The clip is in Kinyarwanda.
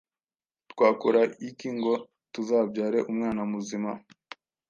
twakora iki ngo tuzabyare umwana muzima